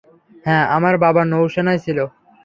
হ্যাঁ, আমার বাবা নৌ-সেনায় ছিল।